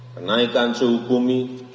penaikan suhu bumi